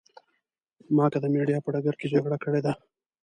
ما که د مېډیا په ډګر کې جګړه کړې ده.